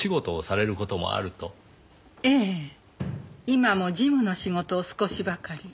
今も事務の仕事を少しばかり。